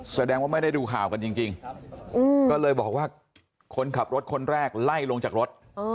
แสดงว่าไม่ได้ดูข่าวกันจริงก็เลยบอกว่าคนขับรถคนแรกไล่ลงจากรถ